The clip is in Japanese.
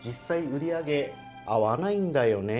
売り上げ合わないんだよね。